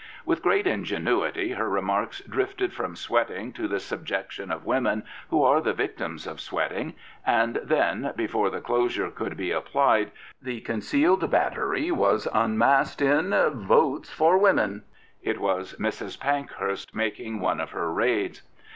With great ingenuity her remarks drifted from sweating to the subjection of women, who are the victims of sweating, and then, before the closure could be applied, the concealed battery was unmasked in " Votes for Women." It was Mrs. Pankhurst making one of her raids.